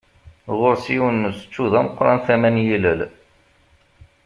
Ɣur-s yiwen n usečču d ameqqṛan tama n yilel.